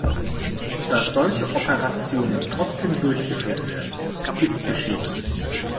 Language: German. Dass solche Operationen trotzdem durchgeführt werden, ist beschämend.